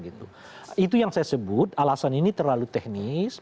itu yang saya sebut alasan ini terlalu teknis